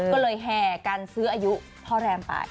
ก็เลยแห่กันซื้ออายุพ่อแรมไป